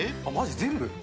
全部？